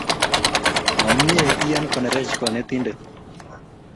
Ma mye ian konerech kanetindet